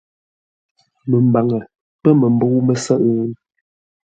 Məmbaŋə pə̂ məmbə̂u mə́sə́ghʼə́?